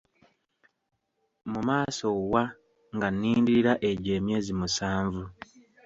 Mu maaso wa, nga nnindirira egyo emyezi musanvu?